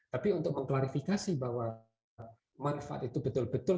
tapi untuk mengklarifikasi bahwa manfaat itu betul betul